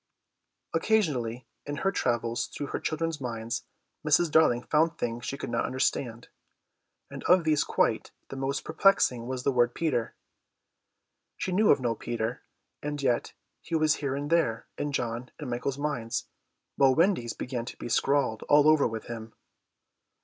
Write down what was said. Occasionally in her travels through her children's minds Mrs. Darling found things she could not understand, and of these quite the most perplexing was the word Peter. She knew of no Peter, and yet he was here and there in John and Michael's minds, while Wendy's began to be scrawled all over with him.